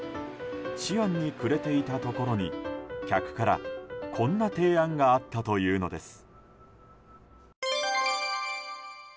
思案に暮れていたところに客からこんな提案があったというのです。